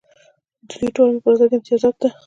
د دوی ټوله مبارزه د امتیازاتو ده.